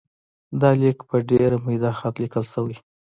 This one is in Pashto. دا لیک په ډېر میده خط لیکل شوی.